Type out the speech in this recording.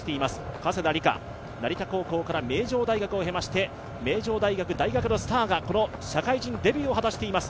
加世田梨花、成田高校から名城大学を経まして名城大学、大学のスターが社会人デビューを果たしています。